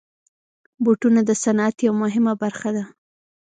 بوټونه د صنعت یوه مهمه برخه ده.